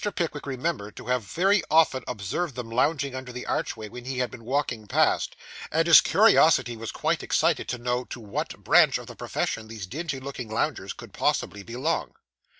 Pickwick remembered to have very often observed them lounging under the archway when he had been walking past; and his curiosity was quite excited to know to what branch of the profession these dingy looking loungers could possibly belong.